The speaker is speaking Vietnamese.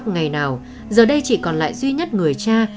ngày nào giờ đây chỉ còn lại duy nhất người cha